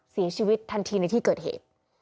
เสียชีวิตทันทีในที่เกิดเหตุ